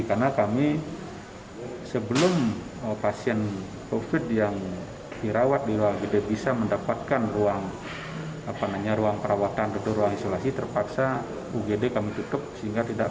karena kami sebelum pasien covid yang dirawat di ruang igd bisa mendapatkan ruang perawatan atau ruang isolasi terpaksa ugd kami tutup sehingga tidak